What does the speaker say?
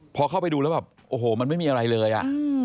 พอเข้าไปดูแล้วแบบโอ้โหมันไม่มีอะไรเลยอ่ะ